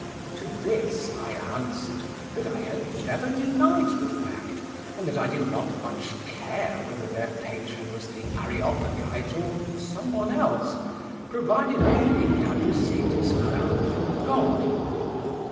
To this I answered that I had never denied the fact, and that I did not much care whether their patron was the Areopagite or some one else, provided only he had received his crown from God.